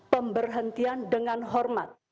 pemberhentian dengan hormat